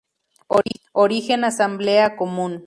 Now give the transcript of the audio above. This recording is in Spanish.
Origen Asamblea Común.